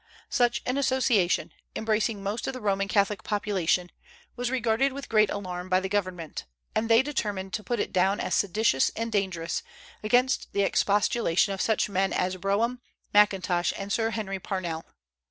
Such an Association, embracing most of the Roman Catholic population, was regarded with great alarm by the government; and they determined to put it down as seditious and dangerous, against the expostulation of such men as Brougham, Mackintosh, and Sir Henry Parnell.